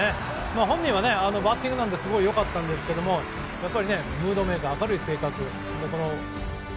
本人はバッティングも良かったんですがやっぱり、ムードメーカー明るい性格。